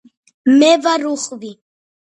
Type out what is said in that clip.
მე ვარ უხვი